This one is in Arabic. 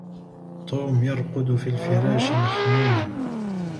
توم يرقد في الفراش محموماً.